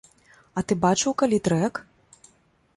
А ты бачыў калі трэк?